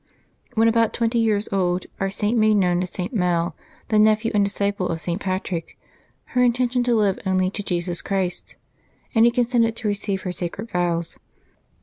When about twenty years old, our Saint made known to St. Mel, the nephew and disciple of St. Patrick, her intention to live only to Jesus Christ, and he consented to receive her sacred vows.